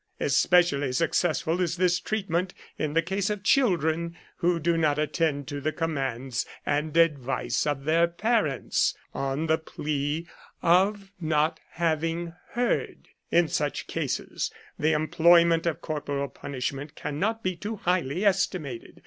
Especially successful is this treatment in the case of children who do not attend to the com mands and advice of their parents on the plea of 122 '^Flagellum Salutis'' " not having heard." In such cases the employment of corporal punishment cannot be too highly esti mated.